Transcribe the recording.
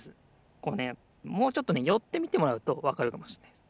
こうねもうちょっとねよってみてもらうとわかるかもしれないです。